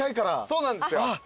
そうなんですよ。